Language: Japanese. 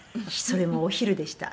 「それもお昼でした。